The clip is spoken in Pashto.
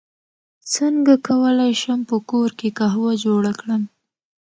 څنګه کولی شم په کور کې قهوه جوړه کړم